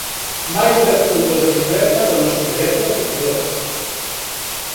Máis de dez puntos de diferenza co noso inmediato competidor.